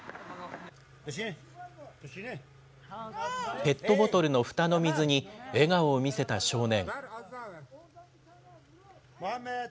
ペットボトルのふたの水に笑顔を見せた少年。